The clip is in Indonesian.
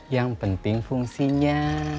yang penting fungsinya